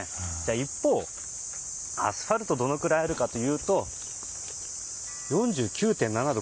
一方、アスファルトはどのくらいあるかというと４９．７度。